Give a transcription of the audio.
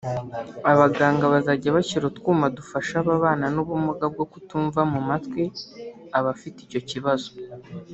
abaganga bazajya bashyira utwuma dufasha ababana n’ubumuga bwo kutumva mu matwi abafite icyo kibazo